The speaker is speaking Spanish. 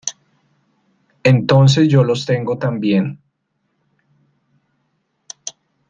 Entonces yo los tengo también.